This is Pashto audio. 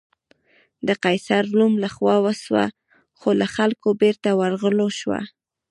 د قیصر روم له خوا وسوه خو له خلکو بېرته ورغول شوه.